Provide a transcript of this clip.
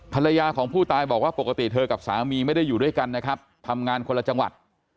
ภรรยาของผู้ตายบอกว่าปกติเธอกับสามีไม่ได้อยู่ด้วยกันนะครับทำงานคนละจังหวัด